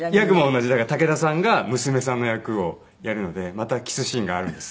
だから武田さんが娘さんの役をやるのでまたキスシーンがあるんです。